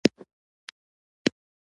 پلار او زوی دواړو د استسقا لمانځه لپاره.